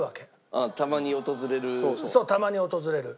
たまに訪れる。